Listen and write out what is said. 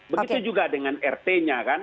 begitu juga dengan rt nya kan